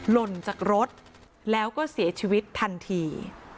หล่นจากรถแล้วก็เสียชีวิตทันที